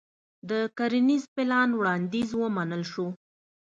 د کرنيز پلان وړانديز ومنل شو.